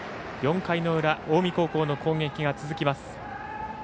４回の裏、近江高校の攻撃が続きます。